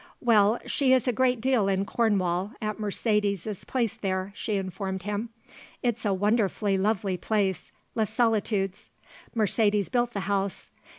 "Well, she is a great deal in Cornwall, at Mercedes's place there," she informed him. "It's a wonderfully lovely place; Les Solitudes; Mercedes built the house.